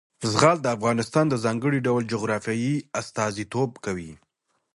زغال د افغانستان د ځانګړي ډول جغرافیه استازیتوب کوي.